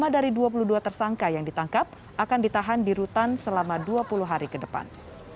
lima dari dua puluh dua tersangka yang ditangkap akan ditahan di rutan selama dua puluh hari ke depan